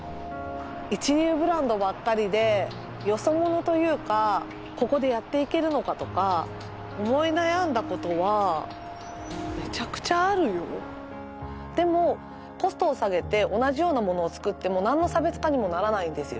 一流ブランドばっかりでよそ者というかここでやっていけるのかとか思い悩んだことはめちゃくちゃあるよでもコストを下げて同じようなものを作ってもなんの差別化にもならないんですよ